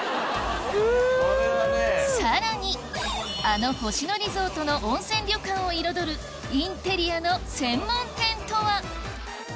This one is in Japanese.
さらにあの星野リゾートの温泉旅館を彩るインテリアの専門店とは？